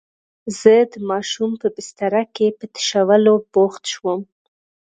زه د ماشوم په بستره کې په تشولو بوخت شوم.